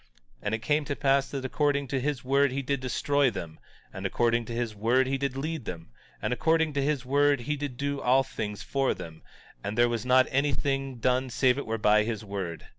17:31 And it came to pass that according to his word he did destroy them; and according to his word he did lead them; and according to his word he did do all things for them; and there was not any thing done save it were by his word.